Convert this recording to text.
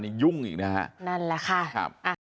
นี่ยุ่งอีกนะฮะนั่นแหละค่ะครับ